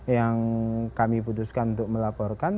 yang kami putuskan untuk melaporkan